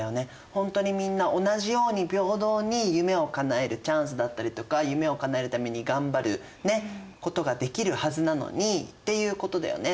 ほんとにみんな同じように平等に夢をかなえるチャンスだったりとか夢をかなえるために頑張ることができるはずなのにっていうことだよね。